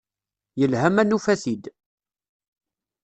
Yelha ma nufa-t-id.